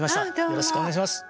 よろしくお願いします。